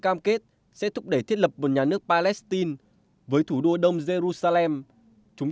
cam kết sẽ thúc đẩy thiết lập một nhà nước palestine với thủ đô đông jerusalem chúng